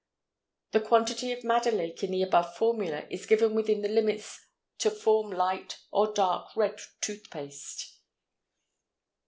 The quantity of madder lake in the above formula is given within the limits to form light or dark red tooth paste.